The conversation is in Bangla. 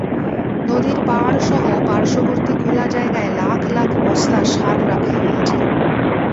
নদীর পাড়সহ পার্শ্ববর্তী খোলা জায়গায় লাখ লাখ বস্তা সার রাখা হয়েছে।